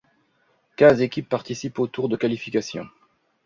Quinze équipes participent au tour de qualification.